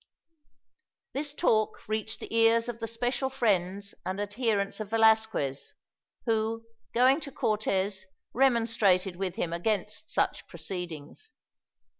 This talk reached the ears of the special friends and adherents of Velasquez; who, going to Cortez, remonstrated with him against such proceedings.